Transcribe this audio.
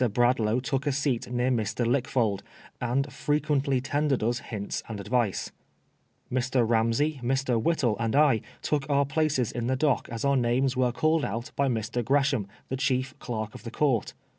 Bradlaugh took a seat near Mr. Lick fold and frequently tendered us hints and advice. Mr. Ramsey, Mr. Whittle, and I took our places in the dock as our names were called out by Mr. G resham, the chief clerk of the court.